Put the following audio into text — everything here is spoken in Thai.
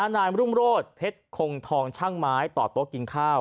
นายมรุ่งโรธเพชรคงทองช่างไม้ต่อโต๊ะกินข้าว